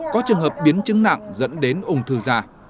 có trường hợp biến chứng nặng dẫn đến ung thư da